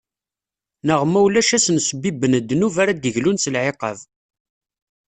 Neɣ ma ulac ad sen-sbibben ddnub ara d-iglun s lɛiqab.